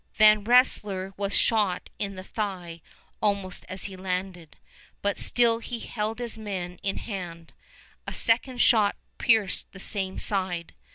Van Rensselaer was shot in the thigh almost as he landed, but still he held his men in hand. A second shot pierced the same side.